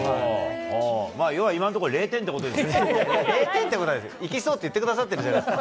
要は今のところ、０点っていうことはない、いきそうって言ってくださってるじゃないですか。